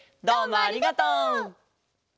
どうもありがとう！